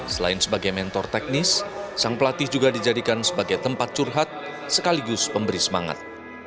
selain sebagai mentor teknis sang pelatih juga dijadikan sebagai tempat curhat sekaligus pemberi semangat